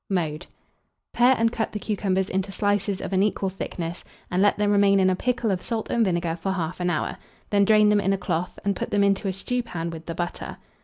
Mode. Pare and cut the cucumbers into slices of an equal thickness, and let them remain in a pickle of salt and vinegar for 1/2 hour; then drain them in a cloth, and put them into a stewpan with the butter.